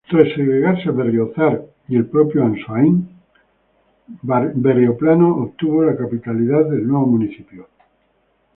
Tras segregarse Berriozar y el propio Ansoáin, Berrioplano obtuvo la capitalidad del nuevo municipio.